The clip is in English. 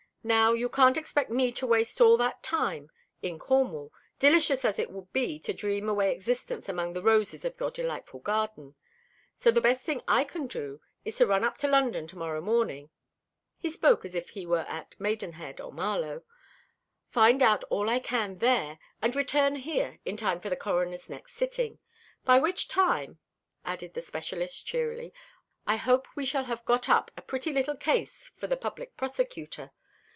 "Now, you can't expect me to waste all that time in Cornwall, delicious as it would be to dream away existence among the roses of your delightful garden; so the best thing I can do is to run up to London to morrow morning" he spoke as if he were at Maidenhead or Marlow "find out all I can there, and return here in time for the Coroner's next sitting. By which time," added the specialist cheerily, "I hope we shall have got up a pretty little case for the Public Prosecutor.